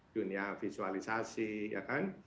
dunia visualisasi ya kan